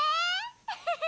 ウッフフ。